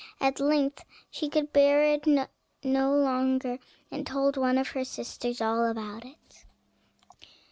At length she could bear it no longer, and told one of her sisters all about it.